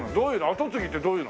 「跡継ぎ」ってどういうの？